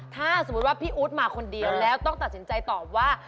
ถ้าสมมุติว่าพี่อู๊ดมาคนเดียวแล้วต้องตัดสินใจตอบว่า